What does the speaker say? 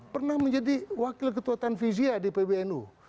pernah menjadi wakil ketua tanfizia di pbnu